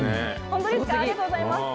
本当ですか、ありがとうございます。